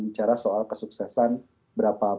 bicara soal kesuksesan berapa